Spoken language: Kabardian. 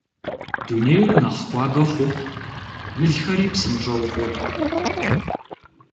Дунейр нэхъ хуабэ хъуху, мылхэри псынщӀэу къоткӀу.